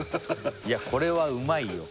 いやこれはうまいよ